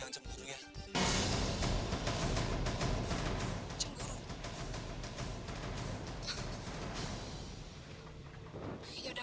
ayo duduk duduk duduk